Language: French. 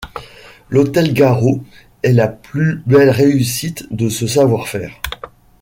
L'hôtel Garreau est la plus belle réussite de ce savoir-faire.